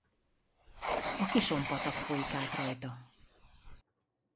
A Kison patak folyik át rajta.